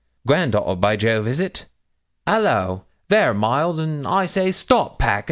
granddaughter, by Jove, is it? Hallo! there, mild 'n, I say, stop packin'.'